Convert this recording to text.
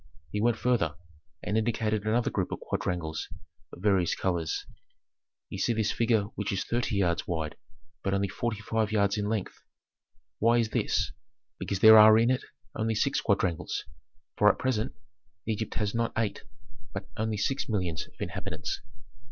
He went farther, and indicated another group of quadrangles of various colors. "Ye see this figure which is thirty yards wide, but only forty five yards in length. Why is this? Because there are in it only six quadrangles, for at present Egypt has not eight, but only six millions of inhabitants.